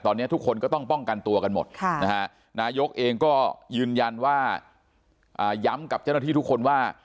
ตอนนี้ทุกคนก็ต้องป้องกันตัวกันหมดนะฮะนายกเองก็ยืนยันว่าย้ำกับเจ้าหน้าที่ทุกคนว่า